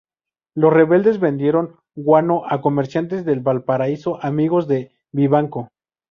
Los rebeldes vendieron guano a comerciantes de Valparaíso amigos de Vivanco.